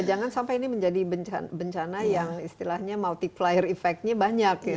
jangan sampai ini menjadi bencana yang istilahnya multiplier effect nya banyak